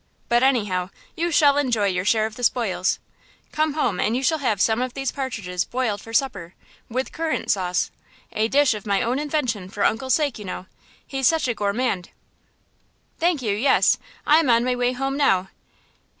But, anyhow, you shall enjoy your share of the spoils! Come home and you shall have some of these partridges broiled for supper, with currant sauce–a dish of my own invention for uncle's sake, you know! He's such a gourmand!" "Thank you, yes–I am on my way home now.